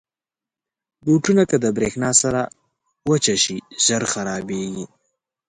بوټونه که د برېښنا سره وچه شي، ژر خرابېږي.